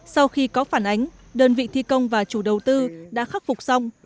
sau khi có phản ánh đơn vị thi công và chủ đầu tư đã khắc phục xong